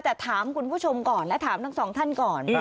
แต่ถามคุณผู้ชมก่อนและถามทั้งสองท่านก่อน